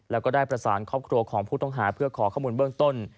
แล้วก็ได้ประสานครอบครัวของผู้ต้องหาเพื่อขอข้อมูลเบื้องต้น